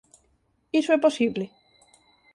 Iso é posible?